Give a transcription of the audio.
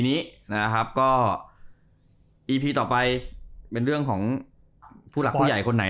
นี้นะครับก็อีพีต่อไปเป็นเรื่องของผู้หลักผู้ใหญ่คนไหน